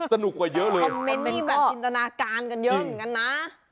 สนุกกว่าเยอะเลยอินตนาการกันเยอะเหมือนกันนะ